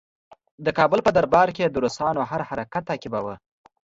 د کابل په دربار کې یې د روسانو هر حرکت تعقیباوه.